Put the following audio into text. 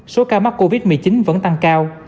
số ca mắc covid một mươi chín vẫn tăng cao